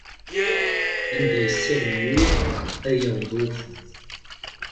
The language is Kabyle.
Anda yessarem wul, ad yaweḍ ufud.